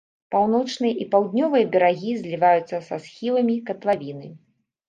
Паўночныя і паўднёвыя берагі зліваюцца са схіламі катлавіны.